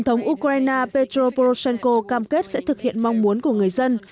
ông ukraine petro poroshenko cam kết sẽ thực hiện mong muốn của người dân